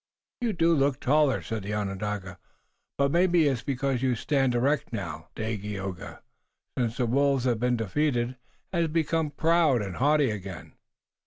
"You do look taller," said the Onondaga, "but maybe it's because you stand erect now. Dagaeoga, since the wolves have been defeated, has become proud and haughty again."